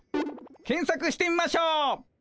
検索してみましょう。